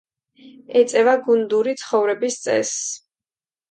ეწევა გუნდური ცხოვრების წესს.